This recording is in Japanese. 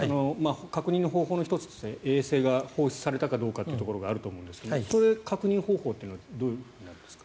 確認の方法の１つとして衛星が放出されたかというのがあると思うんですがその確認方法というのはどうなんですか。